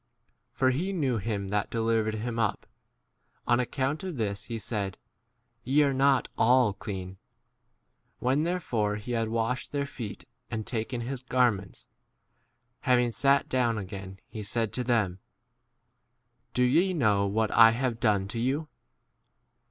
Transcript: For he knew him that delivered him up. On ac count of this he said, Ye are not 12 all clean. When therefore he had washed their feet and taken his garments, havingj sat down again he said to them, Do ye know what 13 I have done to you